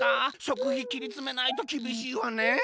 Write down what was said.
しょくひきりつめないときびしいわねえ。